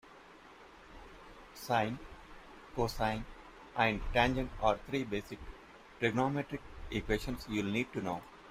Sine, cosine and tangent are three basic trigonometric equations you'll need to know.